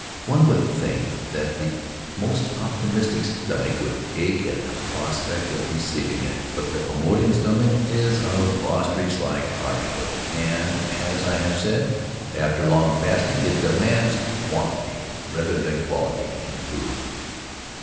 One would think that the most optimistic stomach would ache at the prospect of receiving it, but the Paumotuan stomach is of ostrichlike hardihood and, as I have said, after long fasting it demands quantity rather than quality in food.